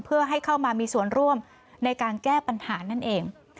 เพื่อให้เข้ามามีส่วนร่วมในการแก้ปัญหานั่นเอง